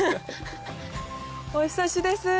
お久しです